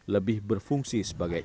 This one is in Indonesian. lebih berfungsi sebagai